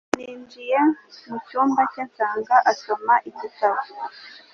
Ninjiye mucyumba cye nsanga asoma igitabo